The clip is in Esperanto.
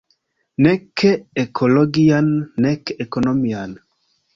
Nek ekologian, nek ekonomian.